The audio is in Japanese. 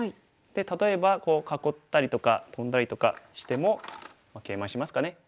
例えばこう囲ったりとかトンだりとかしてもケイマしますかね。